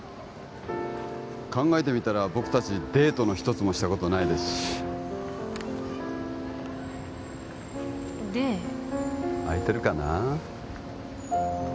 考えてみたら僕達デートの一つもしたことないですしデー空いてるかな？